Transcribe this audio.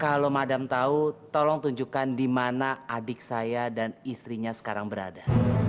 kalau madam tahu tolong tunjukkan di mana adik saya dan istrinya sekarang berada